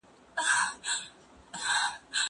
زه اوس سبا ته فکر کوم!!